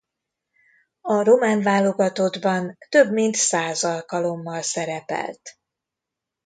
A román válogatottban több mint száz alkalommal szerepelt.